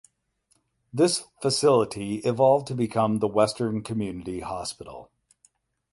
This facility evolved to become the Western Community Hospital.